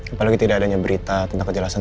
apalagi tidak adanya berita tentang kejelasan